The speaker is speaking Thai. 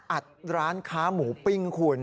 อัดร้านค้าหมูปิ้งคุณ